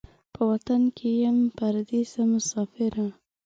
په وطن کې یم پردېسه مسافره